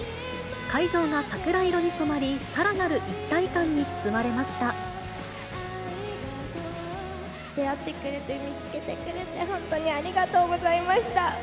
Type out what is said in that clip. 会場が桜色に染まり、さらなる一出会ってくれて、見つけてくれて、本当にありがとうございました。